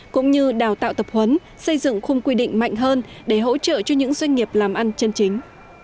cũng như đào tạo tập huấn xây dựng khung quy định mạnh hơn để hỗ trợ cho những doanh nghiệp làm ăn chân chính